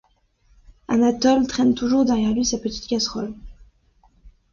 Anatole traîne toujours derrière lui sa petite casserole.